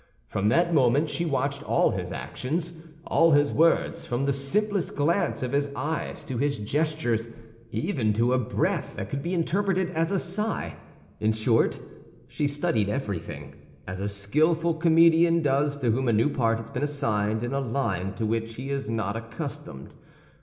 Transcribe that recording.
From that moment she watched all his actions, all his words, from the simplest glance of his eyes to his gestures—even to a breath that could be interpreted as a sigh. In short, she studied everything, as a skillful comedian does to whom a new part has been assigned in a line to which he is not accustomed.